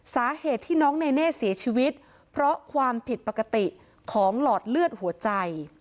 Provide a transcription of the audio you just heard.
สาเหตุที่น้องเนเน่เสียชีวิตเพราะความผิดปกติของหลอดเลือดหัวใจ